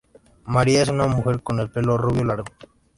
Maria es una mujer con el pelo rubio largo.